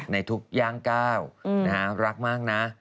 ในทุกย่างก้าวรักมากนะ